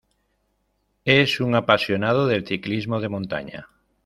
Es un apasionado del ciclismo de montaña.